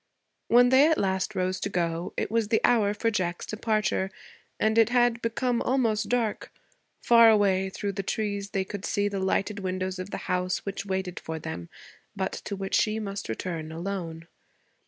When they at last rose to go it was the hour for Jack's departure, and it had become almost dark. Far away, through the trees, they could see the lighted windows of the house which waited for them, but to which she must return alone.